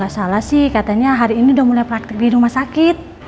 kalo gak salah sih katanya hari ini udah mulai praktek di rumah sakit